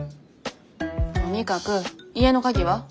とにかく家の鍵は？